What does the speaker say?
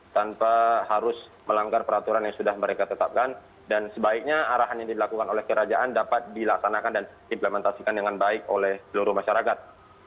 tanpa harus melanggar peraturan yang sudah mereka tetapkan dan sebaiknya arahan yang dilakukan oleh kerajaan dapat dilaksanakan dan implementasikan dengan baik oleh seluruh masyarakat